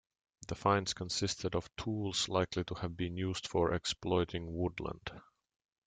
The finds consisted of tools likely to have been used for exploiting woodland.